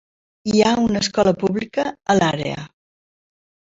Hi ha una escola pública a l'àrea.